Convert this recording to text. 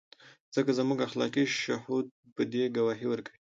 ځکه زموږ اخلاقي شهود په دې ګواهي ورکوي.